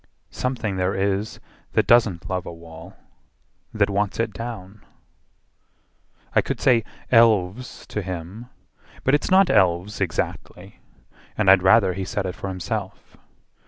Something there is that doesn't love a wall, That wants it down." I could say "Elves" to him, But it's not elves exactly, and I'd rather He said it for himself.